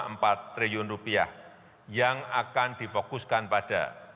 mudah melihatnya sekarang